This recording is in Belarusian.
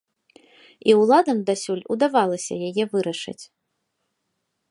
І ўладам дасюль удавалася яе вырашыць.